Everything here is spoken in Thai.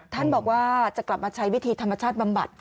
ท่านบอกว่าจะกลับมาใช้วิธีธรรมชาติบำบัด